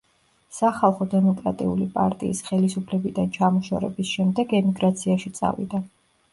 სახალხო დემოკრატიული პარტიის ხელისუფლებიდან ჩამოშორების შემდეგ ემიგრაციაში წავიდა.